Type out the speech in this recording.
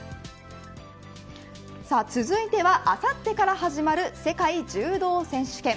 さあ、続いては、あさってから始まる世界柔道選手権。